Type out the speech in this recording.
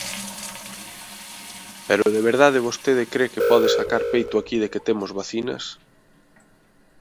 ¡¿Pero de verdade vostede cre que pode sacar peito aquí de que temos vacinas?!